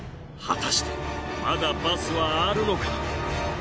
果たしてまだバスはあるのか？